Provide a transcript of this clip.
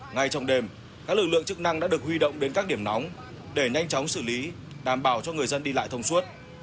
ngay trong đêm các lực lượng chức năng đã được huy động đến các điểm nóng để nhanh chóng xử lý đảm bảo cho người dân đi lại thông suốt